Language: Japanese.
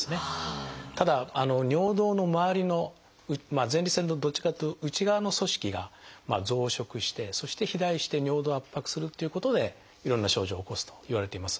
ただ尿道のまわりの前立腺のどっちかっていうと内側の組織が増殖してそして肥大して尿道を圧迫するっていうことでいろんな症状を起こすといわれています。